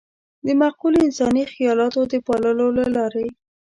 د معقولو انساني خيالاتو د پاللو له لارې.